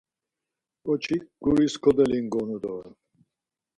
Ǩoçik guris kodolingonu doren.